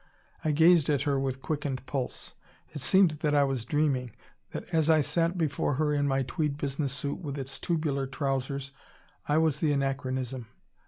I gazed at her with quickened pulse. It seemed that I was dreaming; that as I sat before her in my tweed business suit with its tubular trousers I was the anachronism!